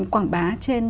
quảng bá trên